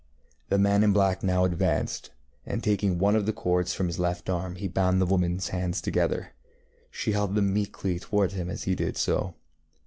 The man in black now advanced, and taking one of the cords from his left arm, he bound the womanŌĆÖs hands together. She held them meekly toward him as he did so.